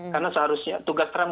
karena seharusnya tugas trump